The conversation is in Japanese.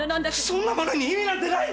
そんなものに意味なんてない！